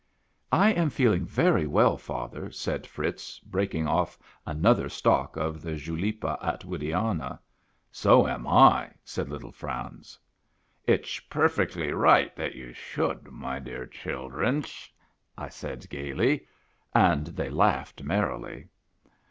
" I am feeling very well, father," said Fritz, breaking off another stalk of the Julepa Attwoodiana. " So am I," said little Franz. " Itsh perfectly right that you should, my dear shil drensh," I said gayly ; and they laughed merrily.